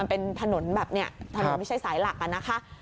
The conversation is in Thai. เป็นถนนแบบนี้ถนนไม่ใช่สายหลักอะนะคะ